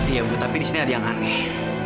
iya bu tapi di sini ada yang aneh